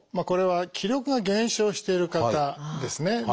これは気力が減少している方ですね。